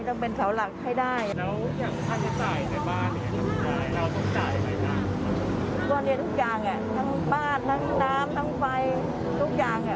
ทั้งน้ำทั้งไฟทุกอย่าง